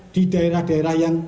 di daerah daerah yang